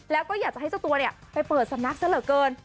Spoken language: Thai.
แล้วก็อยากจะให้เจ้าตัวเนี่ยไปเปิดสำนักซะเหลือเกิน